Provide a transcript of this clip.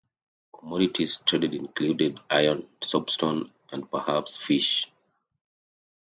Commodities traded included iron, soapstone and perhaps fish.